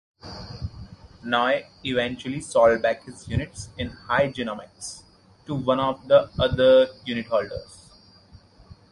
Noe eventually sold back his units in Hi-Genomics to one of the other unitholders.